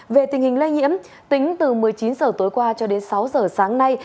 về tình hình lây nhiễm tính từ một mươi chín h tối qua cho đến sáu giờ sáng nay